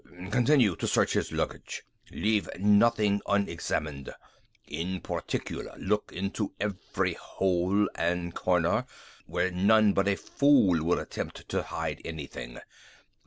Continue to search his luggage. Leave nothing unexamined. In particular look into every hole and corner where none but a fool would attempt to hide anything.